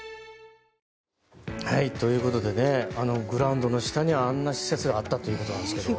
グラウンドの下にはあんな施設があったということですけど。